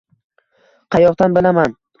Qayoqdan bilaman.